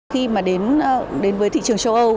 khi mà đến với thị trường châu âu